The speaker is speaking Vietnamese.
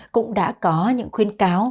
cũng đã có những khuyên cáo